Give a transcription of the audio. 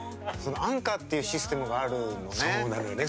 アンカーっていうシステムがあるのね